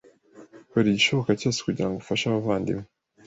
Kora igishoboka cyose kugirango ufashe abavandimwe